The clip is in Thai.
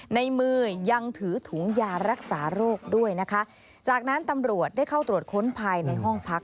ในมือยังถือถุงยารักษาโรคด้วยนะคะจากนั้นตำรวจได้เข้าตรวจค้นภายในห้องพัก